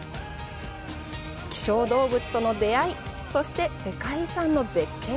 希少動物との出会いそして世界遺産の絶景。